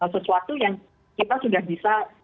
sesuatu yang kita sudah bisa